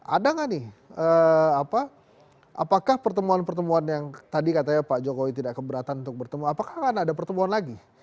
ada nggak nih apakah pertemuan pertemuan yang tadi katanya pak jokowi tidak keberatan untuk bertemu apakah akan ada pertemuan lagi